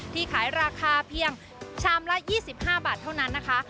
ขายราคาเพียงชามละ๒๕บาทเท่านั้นนะคะ